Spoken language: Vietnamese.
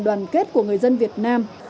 đoàn kết của người dân việt nam